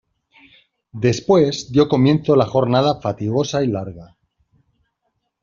después dió comienzo la jornada fatigosa y larga.